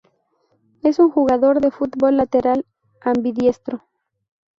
Es un jugador de fútbol lateral ambidiestro.